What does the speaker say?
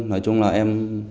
nói chung là em